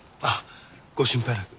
ご心配なく。